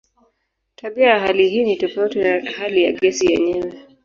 Tabia ya hali hii ni tofauti na hali ya gesi yenyewe.